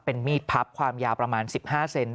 มีดพับความยาวประมาณ๑๕เซน